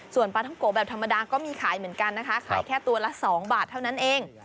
ส่วนปลาท้องโกะแบบธรรมดาก็มีขายเหมือนกันนะคะขายแค่ตัวละ๒บาทเท่านั้นเอง